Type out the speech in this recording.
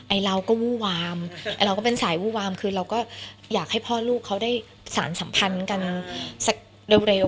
เราก็วู้วามไอ้เราก็เป็นสายวู้วามคือเราก็อยากให้พ่อลูกเขาได้สารสัมพันธ์กันสักเร็ว